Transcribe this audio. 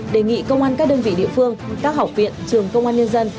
đề nghị công an các đơn vị địa phương các học viện trường công an nhân dân